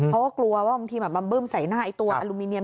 เพราะว่ากลัวว่าบางทีแบบมาบึ้มใส่หน้าไอ้ตัวอลูมิเนียม